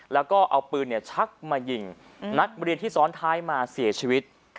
แล้วก็เอาปืนชักมายิงนักเรียนที่ซ้อนท้ายมาเสียชีวิต